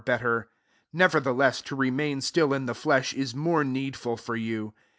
better : 24 bevertheless to remain still \j n\ the flesh ia more needful for Sou.